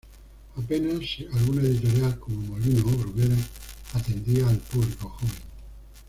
Apenas alguna editorial –como Molino o Bruguera– atendía al público joven.